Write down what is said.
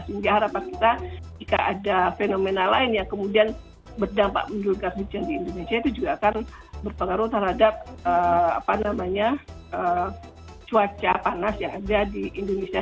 sehingga harapan kita jika ada fenomena lain yang kemudian berdampak menurunkan hujan di indonesia itu juga akan berpengaruh terhadap cuaca panas yang ada di indonesia